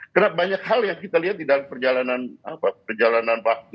karena banyak hal yang kita lihat di dalam perjalanan waktu